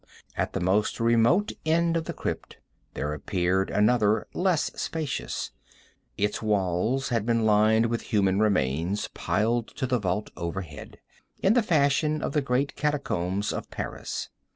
At the most remote end of the crypt there appeared another less spacious. Its walls had been lined with human remains, piled to the vault overhead, in the fashion of the great catacombs of Paris.